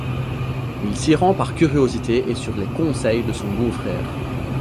Il s’y rend par curiosité et sur les conseils de son beau-frère.